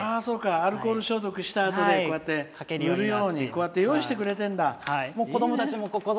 アルコール消毒したあとにこうやって用意してくれてんだ。